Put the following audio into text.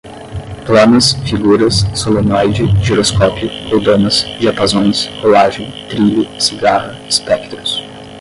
planas, figuras, solenoide, giroscópio, roldanas, diapasões, rolagem, trilho, cigarra, espectros